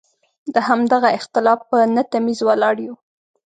د همدغه اختلاف په نه تمیز ولاړ یو.